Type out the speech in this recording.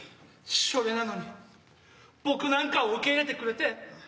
しょれなのに僕なんかを受け入れてくれて。